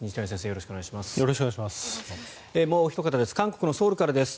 よろしくお願いします。